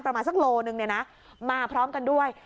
ประมาณสักโลนึงเนี่ยนะมาพร้อมกันด้วย